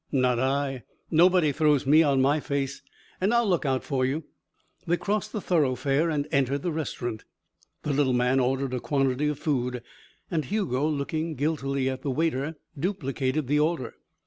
"Not I. Nobody throws me on my face. And I'll look out for you." They crossed the thoroughfare and entered the restaurant. The little man ordered a quantity of food, and Hugo, looking guiltily at the waiter, duplicated the order.